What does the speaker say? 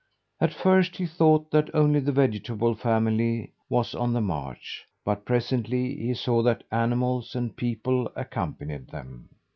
At first he thought that only the vegetable family was on the march, but presently he saw that animals and people accompanied them.